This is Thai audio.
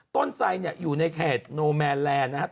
ต้นไทยเนี่ยอยู่ในแข่งโนแมนแลนด์นะครับ